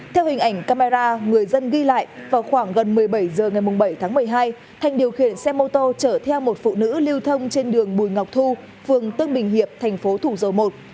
theo hình ảnh camera người dân ghi lại vào khoảng gần một mươi bảy h ngày bảy tháng một mươi hai thanh điều khiển xe mô tô chở theo một phụ nữ lưu thông trên đường bùi ngọc thu phường tân bình hiệp thành phố thủ dầu một